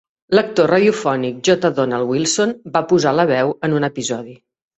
L'actor radiofònic, J. Donald Wilson, va posar la veu en un episodi.